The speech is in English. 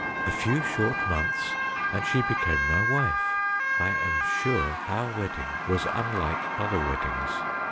A few short months and she became my wife. I am sure our wedding was unlike other weddings.